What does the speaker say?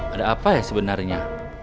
ada apa ya sebenarnya